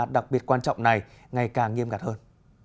đặc biệt quan trọng này ngày càng nghiêm ngặt hơn